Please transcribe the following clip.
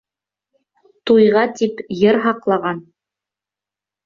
Туйға тип йыр һаҡлаған